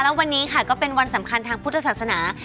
แล้ววันนี้ค่ะก็เป็นวันสำคัญทางพุทธศาสนา